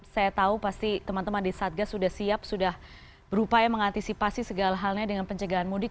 saya tahu pasti teman teman di satgas sudah siap sudah berupaya mengantisipasi segala halnya dengan pencegahan mudik